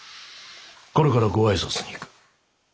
これからご挨拶に行く。